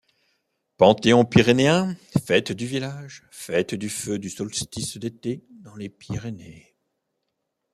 Panthéon pyrénéen, fête du village, fêtes du feu du solstice d'été dans les Pyrénées.